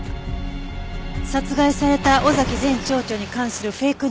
殺害された尾崎前町長に関するフェイク